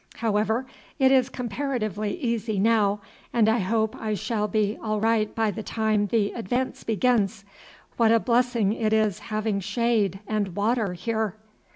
However, it is comparatively easy now, and I hope I shall be all right by the time the advance begins. What a blessing it is having shade and water here!"